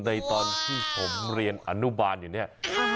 ในตอนที่ผมเรียนอนุบาลอยู่เนี่ย